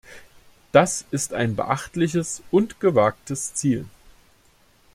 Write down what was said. Das ist ein beachtliches und gewagtes Ziel.